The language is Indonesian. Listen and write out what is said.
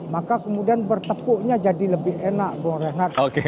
maka kemudian bertepuknya jadi lebih enak bung renat